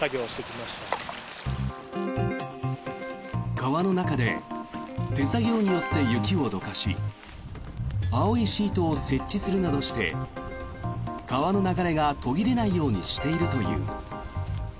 川の中で手作業によって雪をどかし青いシートを設置するなどして川の流れが途切れないようにしているという。